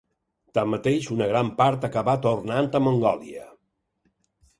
Tanmateix una gran part acabà tornant a Mongòlia.